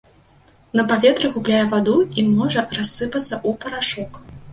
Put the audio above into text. На паветры губляе ваду і можа рассыпацца ў парашок.